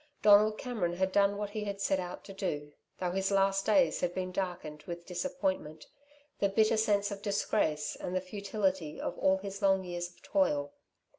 Donald Cameron had done what he set out to do, though his last days had been darkened with disappointment, the bitter sense of disgrace and the futility of all his long years of toil.